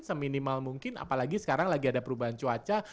seminimal mungkin apalagi sekarang lagi ada perubahan cuaca